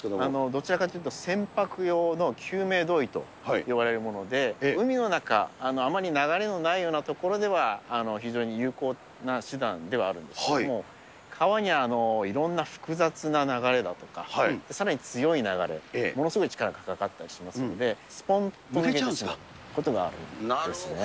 どちらかというと船舶用の救命胴衣と呼ばれるもので、海の中、あまり流れのないような所では、非常に有効な手段ではあるんですけれども、川にいろんな複雑な流れだとか、さらに強い流れ、ものすごい力がかかったりしますので、すぽんと抜けちゃうことがあるんですね。